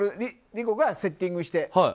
理子がセッティングして。